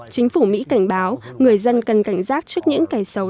chính phủ mỹ cảnh báo người dân cần cảnh giác trước những cái xấu